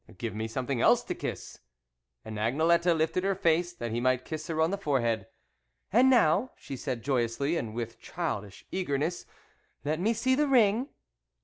" Give me something else then to kiss." And Agnelette lifted her face that he might kiss her on the forehead. "And now" she said joyously, and with childish eagerness, " let me see the ring."